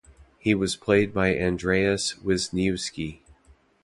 He was played by Andreas Wisniewski.